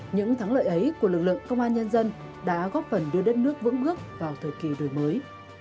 những thắng lợi ấy của lực lượng công an nhân dân đã góp phần đưa đất nước vững bước vào thời kỳ đổi mới